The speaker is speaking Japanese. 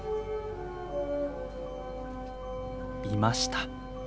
いました。